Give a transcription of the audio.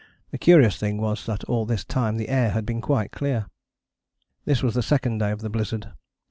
The curious thing was that all this time the air had been quite clear. This was the second day of the blizzard.